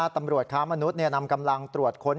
ตำรวจค้ามนุษย์นำกำลังตรวจค้น